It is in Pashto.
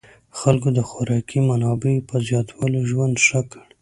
خلکو د خوراکي منابعو په زیاتوالي ژوند ښه کړ.